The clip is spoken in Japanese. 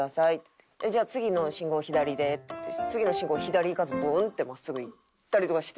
「じゃあ次の信号を左で」って言って次の信号左に行かずブーンって真っすぐ行ったりとかして。